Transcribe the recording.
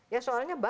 ya soalnya bach